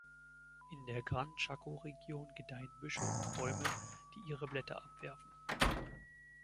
In der Gran Chaco Region gedeihen Büsche und Bäume, die ihre Blätter abwerfen.